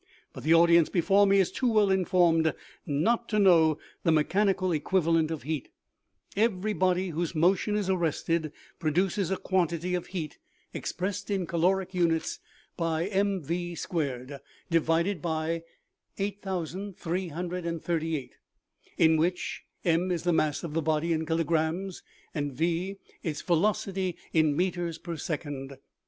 But the audience before me is too well informed not to know the mechanical equivalent of heat. Every body whose motion is arrested produces a quantity of heat $S OMEGA. expressed in caloric units by inv s divided by 8338, in which ;;/ is the mass of the body in kilograms and v its velocity in meters per second.